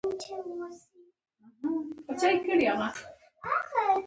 پکورې د خوږو یادونو ژبه ده